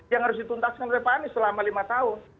yang harus dituntaskan oleh pak anies selama lima tahun